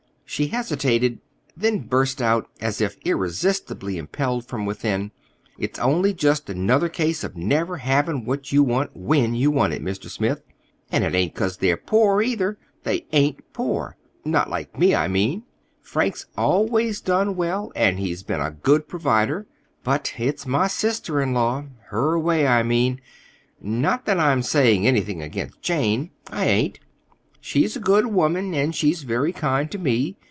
She hesitated, then burst out, as if irresistibly impelled from within. "It's only just another case of never having what you want when you want it, Mr. Smith. And it ain't 'cause they're poor, either. They ain't poor—not like me, I mean. Frank's always done well, and he's been a good provider; but it's my sister in law—her way, I mean. Not that I'm saying anything against Jane. I ain't. She's a good woman, and she's very kind to me.